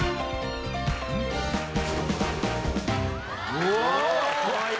うわ！